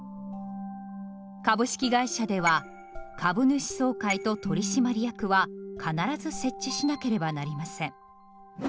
株式会社では株主総会と取締役は必ず設置しなければなりません。